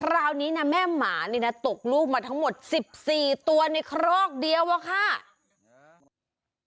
คราวนี้นะแม่หมานี่นะตกลูกมาทั้งหมด๑๔ตัวในครอกเดียวอะค่ะ